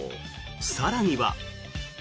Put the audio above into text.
更には。